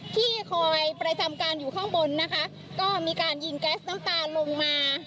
ที่คอยประจำการอยู่ข้างบนนะคะก็มีการยิงแก๊สน้ำตาลงมา